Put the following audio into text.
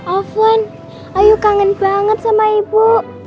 oven ayu kangen banget sama ibu